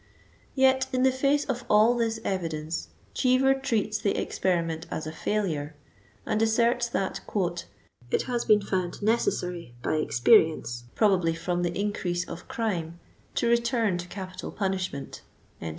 Yet in the face of all this evidence Cheever treats the ex periment as a failure, and asserts that "it has been found ne cessary by experience, probably from the increase of crime, to return to capital punishment."